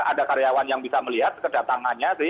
ada karyawan yang bisa melihat kedatangannya sih